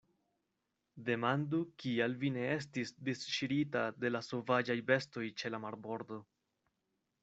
Demandu, kial vi ne estis disŝirita de la sovaĝaj bestoj ĉe la marbordo.